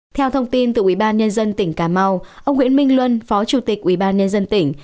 theo thông tin từ ủy ban nhân dân tỉnh cà mau ông nguyễn minh luân phó chủ tịch ủy ban nhân dân tỉnh